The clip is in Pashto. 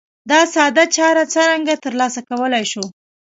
دا ساده چاره څرنګه ترسره کولای شو؟